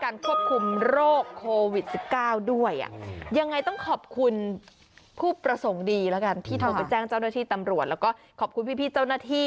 รวบกำลังพนนำกอง